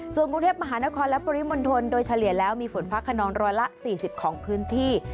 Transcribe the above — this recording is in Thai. ส่วนกรุงเทพมหานครและปริมณฑลโดยเฉลี่ยแล้วมีฝนฟ้าขนองร้อยละ๔๐ของพื้นที่